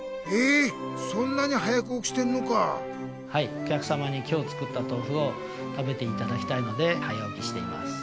おきゃくさまに今日作ったとうふを食べていただきたいので早おきしています。